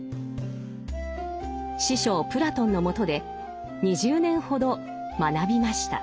師匠プラトンのもとで２０年ほど学びました。